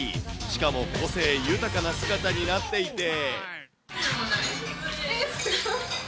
しかも個性豊かな姿になっていて。